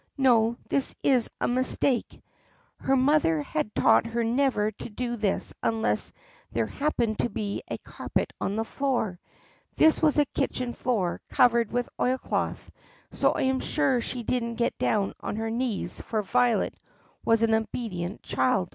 No, this is a mistake. Her mother had taught her never to do this unless there happened to be a carpet on the floor. This was a kitchen floor, covered with oilcloth, so I am sure she did n't get down on her knees, for Violet was an obedient child.